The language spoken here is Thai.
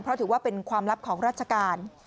เพราะถือว่าเป็นความลับของราชการ